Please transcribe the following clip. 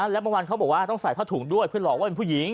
แล้วเมื่อวานเขาบอกว่าต้องใส่ผ้าถุงด้วยเพื่อหลอกว่าเป็นผู้หญิง